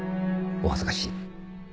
お恥ずかしい。